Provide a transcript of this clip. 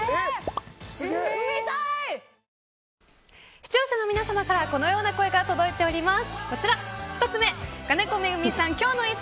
視聴者の皆さまからこのような声が届いております。